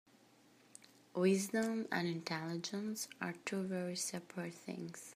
Wisdom and intelligence are two very seperate things.